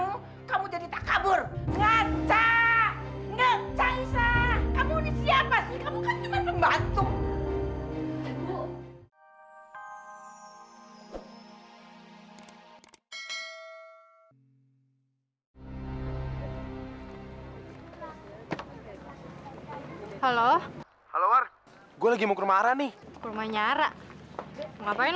siapa sih kamu kan cuma ngebantu halo halo war gua lagi mau ke rumah ara nih rumahnya ara ngapain